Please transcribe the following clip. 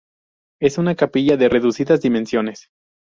Es una capilla de reducidas dimensiones.